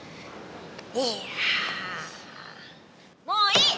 もういい！